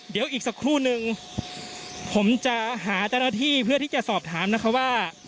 เดี๋ยวอีกสักครู่นึงผมจะหาเจ้าหน้าที่เพื่อที่จะสอบถามนะคะว่า